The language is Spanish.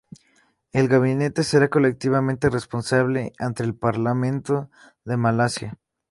El Gabinete será colectivamente responsable ante el Parlamento de Malasia.